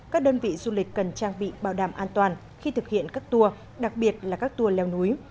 các đơn vị du lịch cần trang bị bảo đảm an toàn khi thực hiện các tour đặc biệt là các tour leo núi